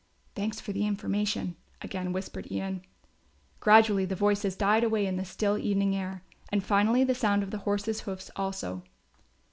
"Thanks for the information," again whispered Ian. Gradually the voices died away in the still evening air, and finally the sound of the horses' hoofs also.